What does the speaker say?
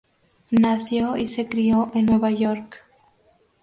Nació y se crio en Nueva York.